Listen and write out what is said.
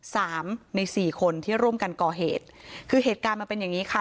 สามในสี่คนที่ร่วมกันก่อเหตุคือเหตุการณ์มันเป็นอย่างงี้ค่ะ